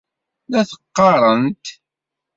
La t-qqarent.